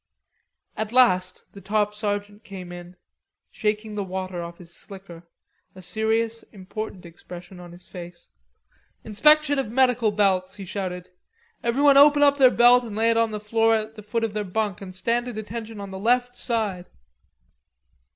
At last the top sergeant came in, shaking the water off his slicker, a serious, important expression on his face. "Inspection of medical belts," he shouted. "Everybody open up their belt and lay it on the foot of their bunk and stand at attention on the left side."